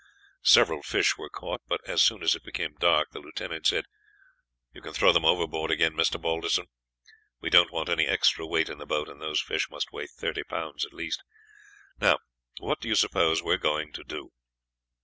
Several fish were caught, but as soon as it became dark the lieutenant said, "You can throw them overboard again, Mr. Balderson; we don't want any extra weight in the boat, and these fish must weigh thirty pounds at least. Now what do you suppose we are going to do?"